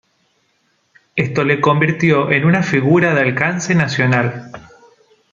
Esto le convirtió en una figura de alcance nacional.